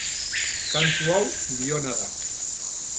Kantu hau biona da.